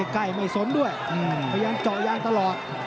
ใกล้ไม่สนด้วยพยายามเจาะยางตลอด